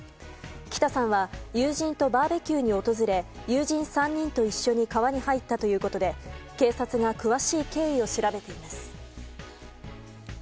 北さんは友人とバーベキューに訪れ友人３人と一緒に川に入ったということで警察が詳しい経緯を調べています。